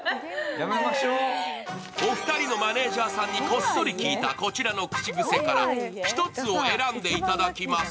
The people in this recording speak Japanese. お二人のマネージャーさんにこっそり聞いた、こちらの口癖から１つを選んでいただきます。